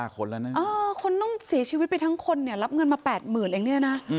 คนต้องสีชีวิตเป็นทั้งคนรับเงินมาแปดหมื่นเอางี้เนี่ยนะ